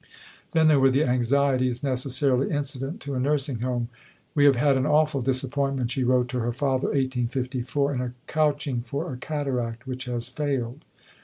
Then there were the anxieties necessarily incident to a nursing home. "We have had an awful disappointment," she wrote to her father (1854), "in a couching for a cataract, which has failed.